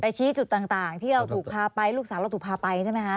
ชี้จุดต่างที่เราถูกพาไปลูกสาวเราถูกพาไปใช่ไหมคะ